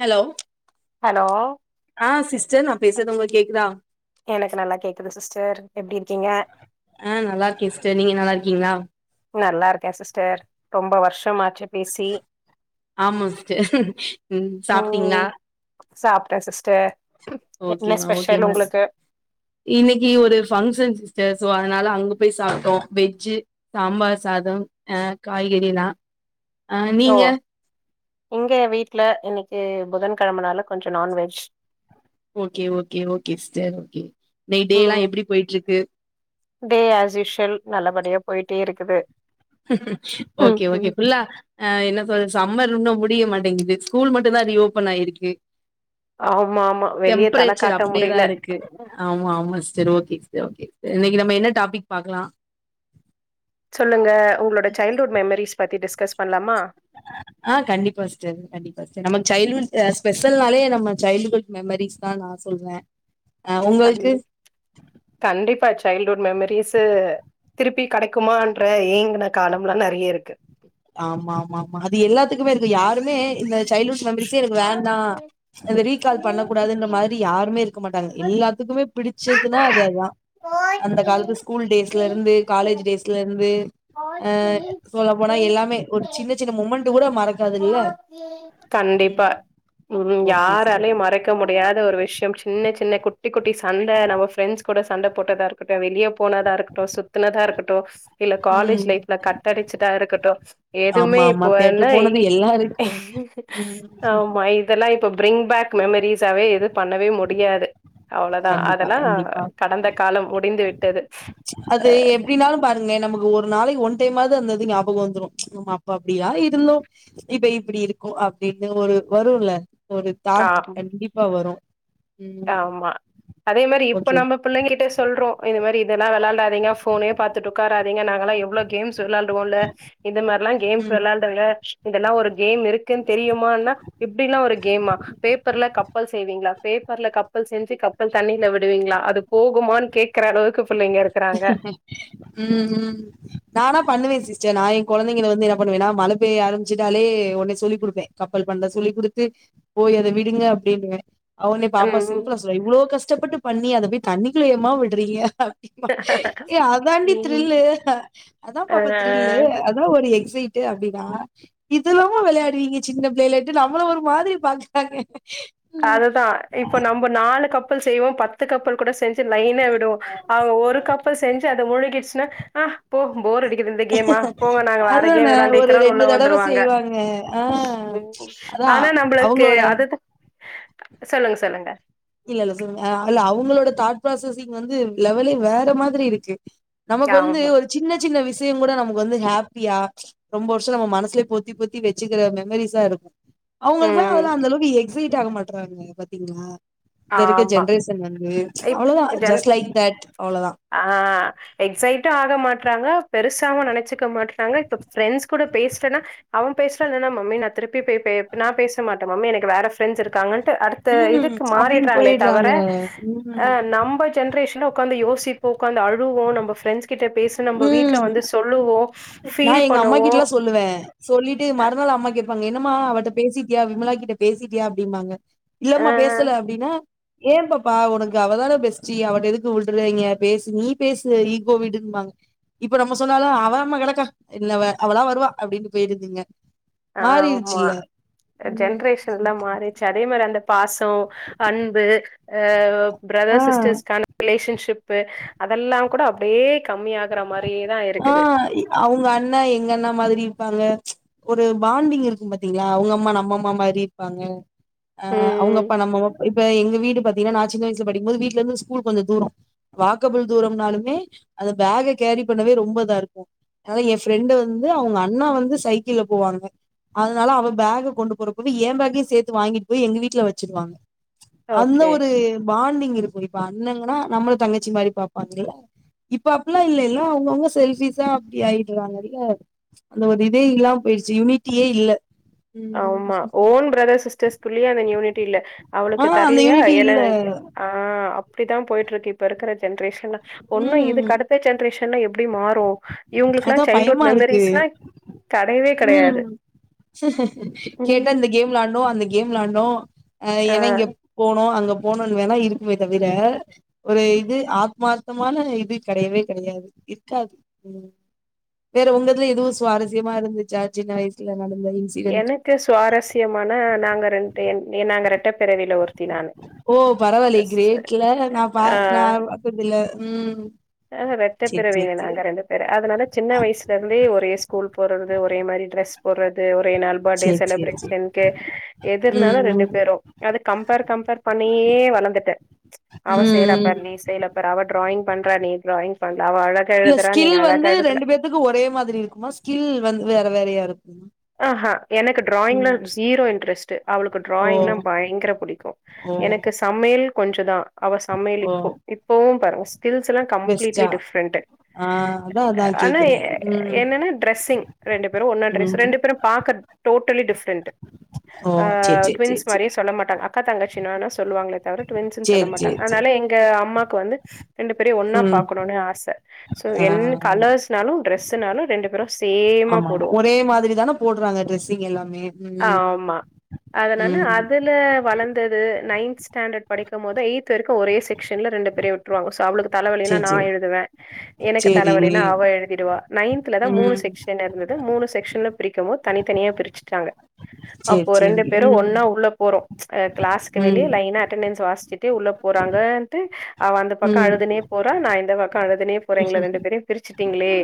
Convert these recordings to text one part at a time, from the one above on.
Hello hello ஆ sister நா பேசுறது உங்களுக்கு கேக்குதா எனக்கு நல்லா கேக்குது சிஸ்டர் எப்டி இருக்கீங்க ஆ நல்லா இருக்கே சிஸ்டர் நீங்க நல்லா இருக்கீங்களா நல்லா இருக்கே சிஸ்டர் ரொம்ப வருஷமா ஆச்சு ஆமா சிஸ்டர் ம் சாப்பிட்டீங்களா சாப்பிட்டே சிஸ் ஓகேமா ஓகேமா உங்களுக்கு இன்னிக்கு ஒரு ஃபங்ஷன் சிஸ்டர் சோ அதனால அங்க போய் சாப்புட்டோ வெஜ் சாம்பார் சாதம் அ காய்கறிலா ஆ ஓ நீங்க இங்க வீட்டு்ல இன்னைக்கு புதன் கிழமனால கொஞ்சோ non veg okay okay okay sister இன்னிக்டேலா ம் எப்பிடி போயட்ருக்கு டே ஆஸ் யூஷுவல் நல்லபடியா போயிட்டே இருக்குது ம் ஓகே ஓகே ம் ஃபுல்லா ஆ என்ன சொ சம்மர் இன்னு முடிய மாட் டேங்குது ஸ்கூல் மட்டுதா ரீஓபன் ஆயிருக்கு ஆமா ஆமா வெளிய தல டெம்ப்ரேச்சர் காட்ட அப்பிடியேதா முடியல இருக்கு ஆமா ஆமா சிஸ்டர் சேரி ஓகே சிஸ்டர் கே இன்னிக்கு நம்ம என்ன டாபிக்பாக்கலா சொல்லுங்க உங்களோட சைல்டுஹுட் மெமரீஸ் பத்தி டிஸ் க்கஸ் பண்ணலாமா ஆ கண்டிப்பா சிஸ்டர் கண்டிப்பா நமக்கு சைல்ட்ஹுட் ஸ்பெஷல் நாலே நம்ம சைல்டுஹுட் மெமரிஸ்தா நா சொல்வே கண்டி கண்டிப்பாச் சைல்டஹூட் மெமரிஸ் திருப்பி கடைக்குமன்ற ஏங்கின காலல்லா நெறைய இருக்கு ஆமா ஆமா ஆமா அது எல்லாத் த்துக்குமே இருக்கு யாருமே இந்த சைல்ட்ஹுட் பே பிரிசியருக்கு வோண்டா ரீகால் பண்ணக்க கூடாதுன்ற மாரி யாருமே இருக் தங் எல்லாத்துக்குமே பிடிச்சதுன்னா அது அதா அந்த காலத்து ஸ்கூல் டேஸ்ல இருந்து காலேஜ் டேஸ்ல இருந்து ஆ சொல்லபோனா எல்லா மெ ஒரு சின்ன சின்ன மும்மெண் கண்டிப்பா ம் ம் ஓகே சிஸ்டர் யாராலயு மறக்க முடியாத ஒரு விஷயம் சின்ன சின் சின்ன குட்டி குட்டி சண்ட நம்ம ஃப்ரெண்ட்ஸ் கூட சண்ட போட்டதா இருக்கட்டு வெளிய போனதா இருக்கட்டு சுத்தனதா இருக்கட்டு இல்ல காலேஜ் ம் லைஃப்ல கட் அடிச்சதா இருக்கட்டு எதுவுமே ஆமா ஆமா இப்போ என்ன தேட்டர் போனது இ எல்லாருக்கு ம் ஆமா இதெல்லா இ இப்ப பிரிங்பேக் மெமரிஸாவே எது பண்ணவே முடியாது அவ்ளதா கண்டிப்பா அதெல்லா கண்டிப்பா கடந்த காலம் முடிந்து விட் அது எப்டினாலு பாருங்க நமக்கு ஒ ரு நாளைக்கி ஒன் டைமாது அந்த இது ஞாபகோ வந்துரு நம்ம அப்ப அப்டி எல்லா இருந்தோ இப்ப இப்பிடி இருக்கோ அப்டின்னு வரு வருல்ல ஒரு ஆ தாட் கண்டிப்பா வரு ம் ஆமா அதே மாரி இப்ப ஓகே நம்ம பிள்ளைங்ககிட்ட சொல்றோ இது மாரி இதல்லா வெளையாடாதீங்க ஃபோனே பாத்துட்டு உக்காராதீங்க நாங்கல்லா எவ்ளோ கேம்ஸ் வெளையாண்டுவோல்ல இந்த மாரிலா கேம் ஓகே ம் வெளயாண்டவங்க இதல்லா ஒரு கேம் இரு க்குன்னு தெரியுமான்னா இப்டி எல்லா ஒரு கேமா பேப்பர்ல கப்பல் செய்வீங்களா பே ப்பர்ல கப்பல் செஞ்சு கப்பல் தண்ணில விடுவீங்களா அது போகுமான்னு கேக்குற அளவுக்கு பிள்ளைங்க இருக்குறாங்க ம் ம் நான்லா பண்ணுவே சிஸ் டர் நா ஏன் கொழந்தைங்கள வந்து என்ன பண்ணுவேன்னா மழ பெய்ய ஆரம்பிச்சிட்டாலே உடனே சொல்லிக் குடுப்பே கப்பல் பண்ண சொல்லி குடுத்து போய் அத விடுங்க அப்டின்னுவே ஆ உட்னே பாப்பா ம் சிம்பிளா சொல்லுவா இவ்ளோ கஷ்டப்பட்டு பண்ணி அத போய் தண்ணிக்குள்ள ஏம்மா விடறீங்க ஏ அதாண்டி ம் த்ரில்லு அதா பாப்பா ஆ த்ரில்லு அதா ஒரு எ க்சைட்டு அப்டின்னா இதெல்லாமு வெளையாடுவீங்க சின்ன பிள்ளையலாய்ட்டு நம்மள ஒரு மாதிரி பாக்கறாங்க அதுதா இப்ப நம்ப நாலு கப் பல் செய்வோ பத்து கப்பல் கூட செஞ் சு லைனா விடுவோ அவங்க ஒரு கப்பல் செஞ்சு அது முழுகிருச் சுன்னா ஆ போ போர் அடிக்குது இந்த கேமா போங்க நாங்க வேற கேம் அதான ஒரு வெளையாண்டுக்கிறோனு ரெண்டு உள்ள தடவ வந்துருவாங்க செய்வாங்க ஆ ம் அதா ஆனா நம்பளுக்கு அவங்களோட அதுதா சொல்லுங்க சொல்லுங்க இல்ல இல்ல சொல்லுங்க ஆ அல்ல அவங்களோட தாட் ப்ராசஸிங் வந்து லெவலே வேற மாதிரி இருக்கு நமக்கு வந்து ஆமா ஒரு சின்ன சின்ன விச யங்கூட நமக்கு வந்து ஹாப்பியா ரொம்ப வர்ஷோ நம்ம மனசுல பொத்தி பொத்தி வச்சுக்கிற மெமரீஸா இருக்கு அவங்களுக்கெல்லா ம் அதெல்லா அந்த அந்தளவுக்கு எ க்சைட் ஆக மாட்றாங்க பாத்தீங்களா இந்த இருக்க ஆமா ஜென்ரேஷன் வந்து இப் அவ்ளொதா ஜன் ஜஸ்ட் லைக் தட் அவ்ளோதா ஆ எக்ஸைட்டுஆக மாட்றாங்க பெருசாவு நெனச்சுக்க மாட்றாங்க இப்ப ஃப்ரெண்ட்ஸ் கூட பேசலன்னா அவ பேசலனா என்ன மம்மி நா திருப்பி போய் பே நா பேச மாட்டே மம்மி எனக்கு வேற ஃப்ரெண்ட்ஸ் இருக்காங்கன் த்த அடுத்த ம் இதுக்கு அப்டின்னு மாறிட்றாங்ளே தவிர போயிடுறாங்க அ ம் நம்ம ஜென்ரேஷனு உக்காந்து யோசி போ ஒக்காந்து அ ழுவோ நம்ப ஃப்ரெண்ட்ஸ் கிட்ட பேசு நம்ப வீட்ல ம் வந்து சொல்லுவோ நா ஃபீல் எங்க பண்ணுவோ அம்மாகிட்ல்லா சொல்லுவே சொல்லிட்டு மறுநாள் அம்மா கேப்பாங்க என்ன மா அவட்ட பேசிட்டியா விமலா கிட்ட பேசிட்டியா அப்டிம்பாங்க அ இல்லமா பேசல அப்டின்னா ஏ பாப்பா ஒனக்கு அவதானே பெஸ்டி அவட்ட எதுக்கு விட்றிங்க பேசு நீ பேசு ஈகோ விடும்பாங்க இப்ப நம்ம சொன்னாலு அவ அம்மா கடக்கா இல்ல வ அவளா வருவா அப்டின்னு போயிருதுங்க ஆமா ம் ஜென்ரேஷன்லா மாறிச்சு அதே மாரி அந்த பாசொ அன்பு ஆ பிரதர்ஸ் ஆ சிஸ்டர்ஸ்கான ரிலேஷன்ஷிப் பு அதல்லா கூட அப்டியே கம்மியாகுற மா ஆ அவுங்க அண்ணா எங்க அண்ணா மாதிரி இருப்பாங்க ஒரு பாண்டிங் இருக்கு பாத்திங்ளா அவுங்க அம்மா நம்ம அம்மா மாரி இருப்பாங்க ஆ ம் அவுங்கப்பா நம்மப்ப இப்ப எங்க வீடு பாத் திங்னா நா சின்ன வயசுல படிக்கும்போது வீட்லெருந்து ஸ்கூல் கொஞ்ச தூரொ வாக்கபுல் தூரம்னாலுமே அந்த பேக கேரி பண்ணவே ரொ ம்பதா இருக்கு அதுனால எ ஃப்ரெண்டு வந்து அவுங்க அண்ணா வந்து சைக்கிள்ல போவாங்க அதுனால அவ பேக்க கொண்டு போறப்போது எ பேகயு சேத்து வாங்கிட்டு போய் எங்க வீட்ல வச்சிருவாங்க அந்த ஓகே ஒரு பாண்டிங் இருக்கு இப்ப அண்ணங் கனா நம்மள தங்கச்சி மாரி பாப்பாங்கல்ல இப்ப அப்புல்லா இல்ல எல்லா அவுங்கவுங்க செல்ஃபிஸா அப்டி ஆகிட்றாங்கல்ல அந்த ஒரு இதே இல்லாம போயிருச்சு யுனிட்டியே இல்ல ம் ஆமா ஓன் பிரதர் சிஸ்டர்ஸ் குள்ளயே அந்த யூனிட்டி இல்ல ஆ அவளுக்கு அந்த தர்லயா யூனிட்டி என இல்ல ஆ அப் டிதா போயிட்ருக்கு இப்ப இருக்குற ஜென்ரேஷன்லா ஒன்னு ம் இதுக்கடுத்த ஜென்ரே ஷன்லா எப்டி மாறு இவங்களுக்கு அதா எல்லாம் சைல்டுவுட் பயமா இருக்கு மெமரிஸ் எல்லாம் கிடையவே கிடையாது கேட்ட இந்த கேம்லாம் அந்த கேம் விளாண்டோம் அ ஏன்னா ஆ இங்க போனோம் அங்க போனோன்னு வேலைா இருக்குமே தவிர ஒரு இது ஆத்மார்த்தமான இது கிடையவே கிடையாது இருக்காது உம் வேற உங்கதுல எதுவும் சுவாரஸ்யமா இருந்துச்சா சின்ன வயசுல நடந்த இன்சிடென்ட் எனக்கு சுவாரஸ்யமான நாங்க ரெண்டு நாங்க ரெட்டப்பிறவில ஒருத்தி நானு ஓ பரவாயில்லை கிரேட்ல நா பா நா பாத்ததில்ல ம் சேரி இட்டப்பிறவில சேரி சேரி நாங்க ரெண்டு வே அதனால சின்ன வயசுல இருந்தே ஒரு ஸ்கூல் போடுறது ஒரே மாதிரி டிரெஸ் போடுறது ச சேரி செல் சேரி சேரி பிரேசிலின் ம் ம் பண்ணே வளர்ந்துட்ட ம் ம் அவடாயிங் பண்றா நீ டிராயி் இல்ல ஸ்கில் வந்து ரெண்டு பேத்திக்கு ஒரே மாதிரி இருக்குமா ஸ்கில் வந்து வேற வேறயா இருக்கும் ஆஹா எனக்கு டிராயிங்ல ஜீரோ இன்ட்ரெஸ்ட் அவளுக்கு ஓ டிராயிங்னா பயங்கர பிடிக்கும் ஓ எனக்கு சமையல் கொஞ்சதான் அவ சமையல் ஓ இப்போ இப்பவும் பாருங்க எல்லாம் கம்ட்ல வெஸ்டா டிரெண்ட் ஆ அதா அதா ஆனா கேக்குறே ம் என்னன்ன டெஸிங் ரெண்டு பேரும் ஒன்னா டெஸ் ம் ரெண்டு பார்க டோட்டலி டிபரென்ஸ் ஓ சேரி சேரி டுவின்ஸ் மாதிரி சொல்ல மாட்டாங்க அக்கா தங்கச்ச சொல்லுவாங்கள தவிரின் சொல்ல சேரி சேரி மாட்டாங்க சேரி சேரி சேரி அதனால எங்க அம்மாக்கு வந்து ரெண்டு பேரையும் ஒன்னா ம் பாக்கணும்னு ஆசை சோ ஆ என் கலர்ஸ்னாலும் ட்ரெஸ்னாலும் ரெண்டு பேரும் சேமா ஆமா ஆமா போடுவோம் ஒரே மாதிரி தான போடுறாங்க ட்ரெஸ்ஸிங் எல்லாமே ஆ ம் ஆமா அதனால ம் அதுல வளந்தது நைன் ஸ்டாண்டர்ட் படிக்கும் போது எய்து வரைக்கும் ஒரே செக்ஷன்ல ரெண்டு பேரையும் வுட்ருவாங்க அவளுக்கு தலவலினா சேரி நா சேரி எழுதுவே எனக்கு தல சேரி வலினா அவ எழுதிடுவ நயன்துல தா மூணு ம் செக்சன் இருந்தது மூணு செக்சன் பிரிக்கவோ தனித்தனியா பிரிச்சிட்டாங்க சேரி அப்போ ரெண்டு சேரி பேரும் ம் ஒன்னா உள்ள போறோம் கிளாஸக்கு வெளிய ம் லைனா அட்டண்டன்ஸ் வாச உள்ள போறாங்கன்ட்டு அவ அந்த பக்கம் ம் அழுதுனே போற நா இந்த வக்க அழுதுண்டே போறீங்கள ரெண்டு பேரும் பிரிச்சட்டீங்களே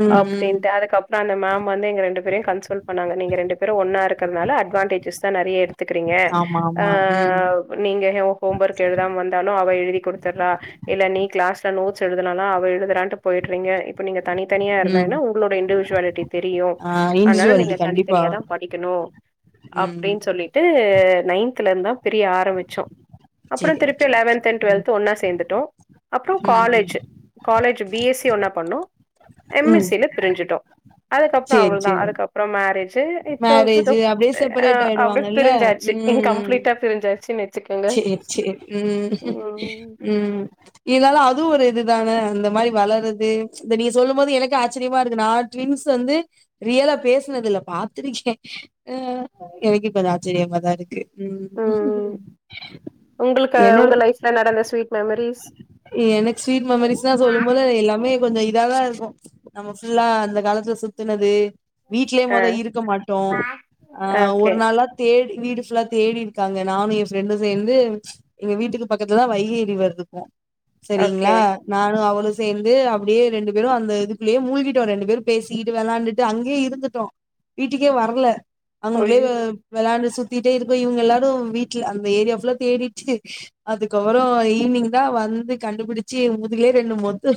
ம் ம் அப்டின்ட்டு அதுக்கப்புறம் அந்த மேம் வந்து எங்க ரெண்டு பே ச சொல் பண்ணாங்க நீங்க ரெண்டு பேரும் ஒன்னா இருக்கிறதுனால அட்வான்டேஜஸ் தா நெறையா இருக்கு க்கறீ ஆமா ஆமா ம் நீங்க ஹோம் ஒர்க் எழுதாம வந்தாலும் அவ எழு எழுதி கொடுத்தறா இல்ல நீ கிளாஸ்ல நோட்ஸ் எழுதுனாலா அவ எழுதுறா போயிட்டுறீங்க இப்ப நீங்க தனித்தனியா இருந்தா ம் என்ன உங்களோட இண்டிவிஜுவாலிட்டி தெரியும் ஆ அதனால இண்டிவிஜுவாலிட்டி நீங்க கண்டிப்பா தனித்தனியாதா வரும். படிக்கணும் ம் அப்டின் சொல்லிட்டு நயன்துல இருந்துந்தா பிரிய ஆரம்பிச்சோம் அப்புறம் சேரி திருப்பி ஓகே ஓகே லெவன்த் அண்ட் ம் டுவெல்த் ஒன்னா சேர்ந்துட்டோம் அப்புறம் ம் காலேஜ் காலேஜ் பிஎஸ்சி ஒன்னா பண்ணோம் ம் எம்எஸ்சி ல பிரிஞ்சுட்டோம் அதுக்கப்புறம் சேரி அவ்ளதா சேரி அதுக்கு மேரேஜ் த்த் மேரேஜு அப்டியே செப்பரேட் அவள ஆயிடுவாங்கல்ல பிரிஞ்சாச்சு கம்ப்ளீட்டா பிரிஞ்சாச்சு சரி சரி உம் ம் உம் இதனால அதுவும் ஒரு இதுதானே அந்த மாதிரி வளறது இந்த நீங்க சொல்லும் போது எனக்கு ஆச்சரியமா இருக்கு நா ட்விங்ஸ் வந்து ரியலா பேசினது இல்ல பாத்திருக்கே ஆஹ எனக்கு இப்ப அது ஆச்சரியமாதா இருக்கு ம் உம் உங்களுக்கு என்னோட உங்க லைஃப்ல நடந்த ஸ்வீட் மெமரிஸ் எனக்கு ஸ்வீட் மெமரிஸ் தா சொல்லும் போது எல்லாமே கொஞ்சம் இதா எல்லா இருக்கும் நம்ம புல்லா அந்த காலத்துல சுத்துனது வீட்லயே ஆ முத இருக்க மாட்டோ அஹ ஓகே ஒரு நாளா தேடி வீடு ஃபுல்லா தேடி இருக்காங்க நானும் எப் ரெண்டும் சேர்ந்து எங்க வீட்டுக்கு பக்கத்துல தா வைகஏறி வருது இப்போ ஓகே சரிங்களா நானும் அவளும் சேர்ந்து அப்டியே ரெண்டு பேரும் அந்த இதுக்குள்ளேயே மூழ்கிட்டோம் ரெண்டு பேரும் பேசிக்கிட்டு விளயாண்டு அங்கேய இருந்துட்டோ வீட்டுக்கே வரல அங்கனக்குள்ளே ஐயோ வெளயாண் சுத்தி இருக்கும் இவுங்க எல்லாரும் வீட்டு அந்த ஏரியா ஃபுல்லா தேடிட்டு அதுக்கப்புறம் ஈவினிங் தா வந்து கண்டுபிடிச்சு முதுகிலே ரெண்டு மொத்து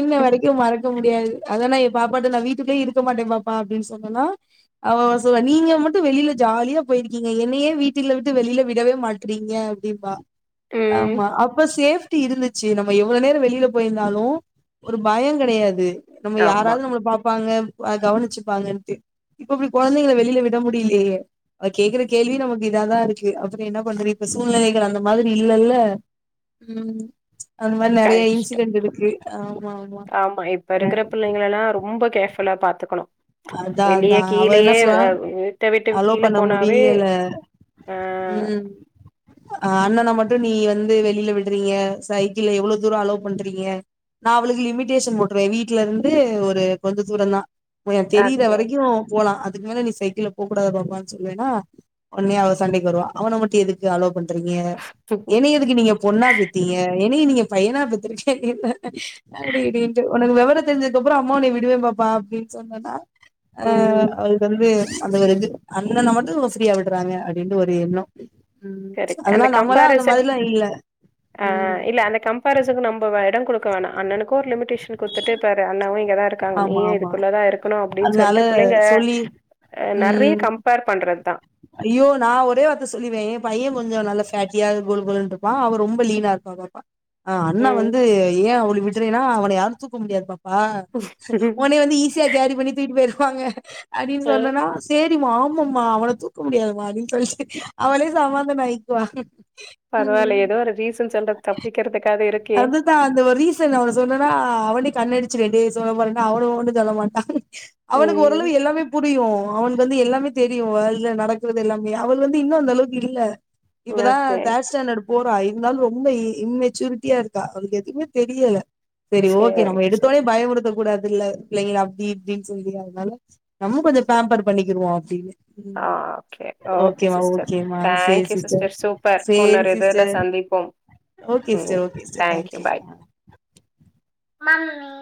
இன்ன வரைக்கும் மற [inaudible] முடியாது அத நா என் பாப்பாட்ட வீட்டுக்கே இருக்க மாட்டேன் பாப்பா அப்படின்னு சொன்னேனா அவ அவ சொல்லுவா நீங்க மட்டும் வெளியில ஜாலியா போயிருக்கீங்க என்னையே வீட்டு வீட்டில விட்டு வெளியில விடவே மாட்டறீங்க அப்படின்னு பா ம் ஆமா அப்ப சேஃப் இருந்துச்சு நம்ம எவ்வளவு நேரோ வெளியில போயிருந்தாலு ஒரு பயங் கெடயாது நம்ம ஆமா யாராவது நம்மள பாப்பாங்க கவனிச்சுப்பாங்கட்டு இப்ப இப்டி கொழந்தைங்கள வெளியில விட முடியலையே அது கேக்குற கேள்வி நமக்கு இதாதா இருக்கு அப்றோ என்னா பண்றது இப்ப சூழ்நிலைகள் அந்த மாதிரி இல்லல்ல... ம் அந்த மாதிரி நெறய கஷ்டோ இன்சிடென்ட் இருக்கு ஆமா ஆமா அத நல்லா பாத்துக்கணு வெளியே அவ என்ன கீழயே சொல்லுவா? வீட்ட விட்டு அலோ கீழே பண்ண போனாவே முடியல. அ ம். அ அண்ணன மட்டு நீ வந்து வெளியில விடுறீங்க சைக்கிள் எவ்வளவு தூரோ அலோ பண்றீங்க நா அவளுக்கு லிமிடேஷன் போட்டுருவே வீட்ல இருந்து ஒரு கொஞ்ச தூரந்தான் தெரீற ஓகே வரைக்கு போலா அதுக்கு மேல நீ சைக்கிள்ல போகக்கூடாது பாப்பானு சொல்லுவேனா ஒடனே அவ சண்டைக்கு வருவா அவன மட்டு எதுக்கு அலௌ பண்றீங்க. என்னய எதுக்கு நீங்க பொண்ணா பெத்தீங்க என்னயு நீங்க பையனா பெத்திருக்க வேண்டியதுதான அப்டி இப்டிட்டுன்டு ஒனக்கு வெவ வெவர தெரிஞ்சது அப்றோ அம்மா உன்ன விடுவே பாப்பா அப்டி சொன்னனா அ ம் அவளுக்கு வந்து அந்த ஒரு இது... அண்ணன மட்டு ஃப்ரீயா விடுறாங்க அப்டின்ட்டு ஒரு எண்ணோ ம் கரெக்டு அந்த அதெல்லா நம்மல்லா அந்த கம்பாரசன் மாரிலா இல்ல ஆ ம் இல்ல அந்த கம்பாரசனுக்கு நம்ம இடம் கொடுக்க அண்ணனுக்கு ஒரு லிமிடேஷன் கொடுத்துட்டு பாரு அண்ணவு இங்க இங்க தா இருக்காங்க ஆமா நீயு ஆமா இதுக்குள்ளதா இருக்கணு அப்டின்னு அதனால சொல்லிட்டு பிள்ளைங்க சொல்லி நெறய ம் கம்பேர் பண்றது தா ஐயோ நா ஒரோ வார்த்த சொல்லிருவே எ பைய கொஞ்சோ நல்ல ஃபேட்டியா கொலு கொலுன்னு இருப்பா அவ ரொம்ப லீனா இருப்பா பாப்பா ஆ அண்ணா ம் வந்து ஏ அவளு விட்டுறேனா அவள யாரு தூக்க முடியாதுப்ப ஆ ஒன்னய வந்து ஈஸியா கேரி பண்ணி தூக்கிட்டு போயிறு வாங்க அப்டின்னு சொன்னேன்னா சேத் தெரியுமா ஆமாமா அவள தூக் தூக்க முடியாதுமா அப்டின்னு சொல்லி அவளே சமாதானம் ஆகிக்குவா பரவால்ல உம் ஏதோ ஒரு ரீசன் சொல்றது தப்பிக்கிறதுக்காது இருக்கே அதுதா அந்த ஒரு ரீசன் அவ சொன்னன்னா அவனே கண்ணடிச்ச [inaudible] அவனு ஒன்னு சொல்லமாட்டா அவனுக்கு ம் ஓரளவு எல்லாமே புரியு அவனுக்கு வந்து எல்லாமே தெரியு அல் இல்ல நடக்குறது எல்லாமே அவள் வந்து இன்னு அந்த அளவுக்கு இல்ல இப்பதா ஓகே தேர்ட் ஸ்டேண்ட்டு போறா இருந்தாலு ரொம்ப இ இம்மெச்சூரிட்டியா இருக்கா அவங்களுக்கு எதுமே தெரியல சேரி ஓகே நம்ம எடுத்தோனே பயப்படுத்தக் கூடாது பிள்ள பிள்ளைங்கள அப்டி இப்டின் சொல்லி அதனால நம்ம கொஞ்சோ பேம்பர் பண்ணிக்கிருவோ அப்டின்னு ஆ ம் கே ஓகே ஓகேமா சிஸ்டர் ஓகேமா சேரி தேங்க்யூ சிஸ்டர் சி்ஸ்டர் சூப்பர் சேரி ஒன்னொரு இதுல சிஸ்டர் சந்திப்போம் ஓகே ம் sister okay sister thank you bye mummy உ